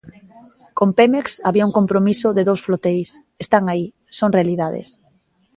Con Pemex había un compromiso de dous floteis, están aí, son realidades.